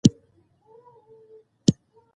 ته يوه نيکي هم سپکه مه ګڼه